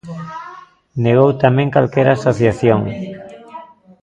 Negou tamén calquera asociación.